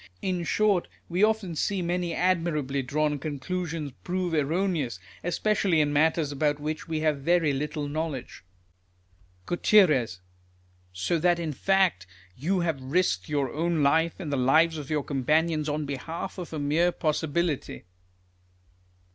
In short, we often see many admirably drawn conclusions prove erroneous, especially in matters about which we have very little knowledge. Gut So that in fact you have risked your own life, and the lives of your companions, on behalf of a mere possibility.